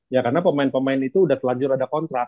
ya karena pemain pemain itu udah telanjur ada kontrak